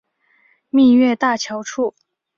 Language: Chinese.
蜜月大桥处。